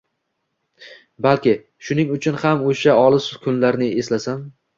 Balki, shuning uchun ham o‘sha olis kunlarni eslasam